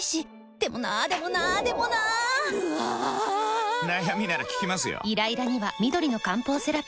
でもなーでもなーでもなーぬあぁぁぁー！！！悩みなら聞きますよ。